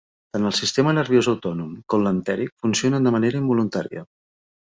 Tant el sistema nerviós autònom com l'entèric funcionen de manera involuntària.